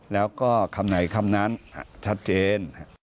แล้วก็คำไหนคำนั้นชัดเจน